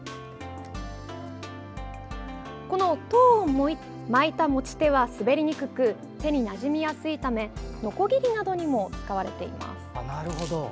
この籐を巻いた持ち手は滑りにくく手になじみやすいためのこぎりなどにも使われています。